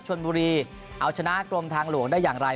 ชนบุรีเอาชนะกรมทางหลวงได้อย่างไร